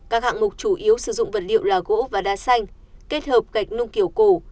các hạng mục chủ yếu sử dụng vật liệu là gỗ và đa xanh kết hợp gạch nung kiểu cổ